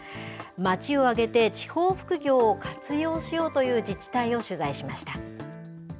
町を挙げて、地方副業を活用しようという自治体を取材しました。